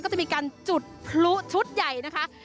ก็จะมีการจุดพลุชุดใหญ่นะคะ